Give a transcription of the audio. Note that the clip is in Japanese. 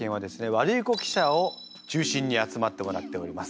ワルイコ記者を中心に集まってもらっております。